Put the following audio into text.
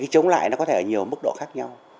chống lại nó có thể ở nhiều mức độ khác nhau